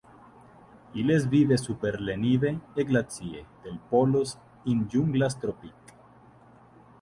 Illes vive super le nive e glacie del Polos e in junglas tropic.